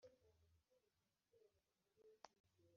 uje wese akamukesha akazi